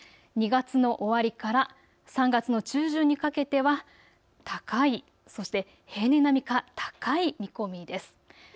２月の終わりから３月の中旬にかけては高い、そして平年並みか高い見込みです。